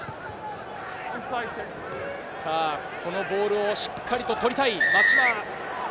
このボールをしっかりと取りたい松島。